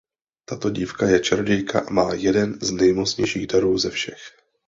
Tato dívka je čarodějka a má jeden z nejmocnějších darů ze všech.